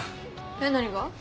えっ何が？